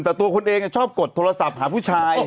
แต่ตัวคนเองชอบกดโทรศัพท์หาผู้ชาย